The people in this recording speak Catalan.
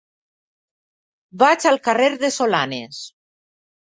Vaig al carrer de Solanes.